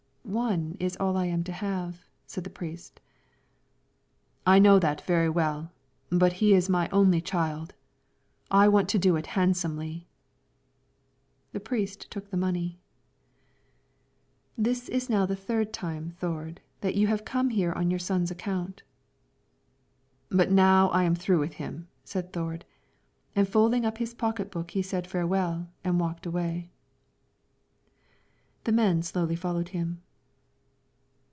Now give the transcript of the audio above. "One is all I am to have," said the priest. "I know that very well, but he is my only child; I want to do it handsomely." The priest took the money. "This is now the third time, Thord, that you have come here on your son's account." "But now I am through with him," said Thord, and folding up his pocket book he said farewell and walked away. The men slowly followed him.